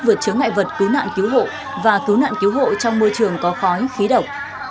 vượt chứa ngại vật cứu nạn cứu hộ và cứu nạn cứu hộ trong môi trường có khói khí độc